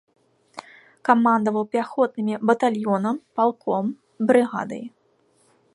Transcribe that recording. Камандаваў пяхотнымі батальёнам, палком, брыгадай.